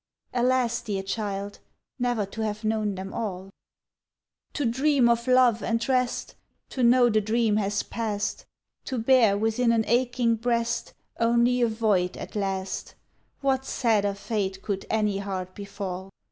Alas! dear child, ne'er to have known them all. To dream of love and rest, To know the dream has past, To bear within an aching breast Only a void at last What sadder fate could any heart befall?